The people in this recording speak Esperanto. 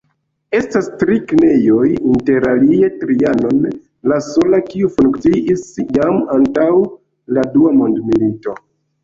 Estas tri kinejoj, interalie "Trianon", la sola kiu funkciis jam antaŭ la Dua Mondmilito.